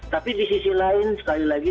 tapi di sisi lain sekali lagi